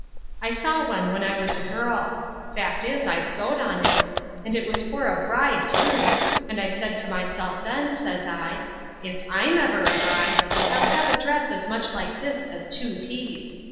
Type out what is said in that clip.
I saw one when I was a girl — fact is, I sewed on it — and it was for a bride, too, and I said to myself then, says I, ' If Tm ever a bride, I'll have a dress as much like this as two peas.'